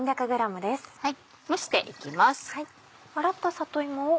洗った里芋を。